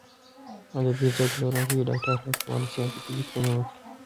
ادبي ذوق لرونکی ډاکټر هم کولای شي ادبي لیکنې وکړي.